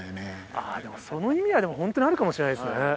あぁでもその意味はホントにあるかもしれないですね。